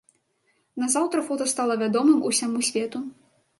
Назаўтра фота стала вядомым усяму свету.